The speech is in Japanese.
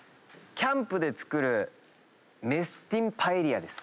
キャンプで作るメスティンパエリアです。